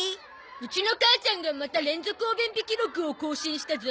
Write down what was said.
うちの母ちゃんがまた連続お便秘記録を更新したゾ。